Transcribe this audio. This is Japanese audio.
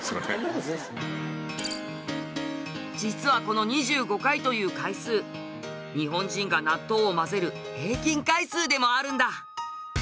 実はこの２５回という回数日本人が納豆を混ぜる平均回数でもあるんだ。